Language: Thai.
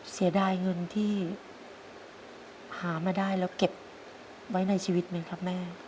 เสียดายเงินที่หามาได้แล้วเก็บไว้ในชีวิตไหมครับแม่